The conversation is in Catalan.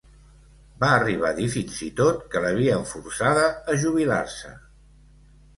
Va arribar a dir fins i tot que l’havien forçada a jubilar-se.